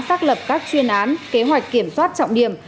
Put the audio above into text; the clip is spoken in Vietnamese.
xác lập các chuyên án kế hoạch kiểm soát trọng điểm